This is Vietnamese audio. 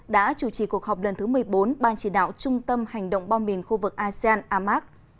đã chủ trì cuộc họp lần thứ một mươi bốn ban chỉ đạo trung tâm hành động bom mìn khu vực asean amac